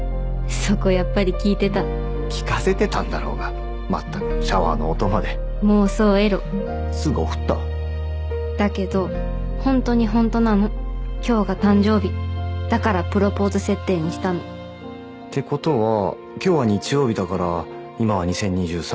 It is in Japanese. そこやっぱり聞いてた聞かせてたんだろうがまったくシャワーの音まで妄想エロすぐオフっただけど本当に本当なの今日が誕生日だからプロポーズ設定にしたのってことは今日は日曜日だから今は２０２３年